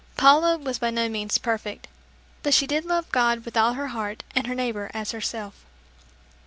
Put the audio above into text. Paula was by no means perfect, but she did love God with all her heart and her neighbor as herself.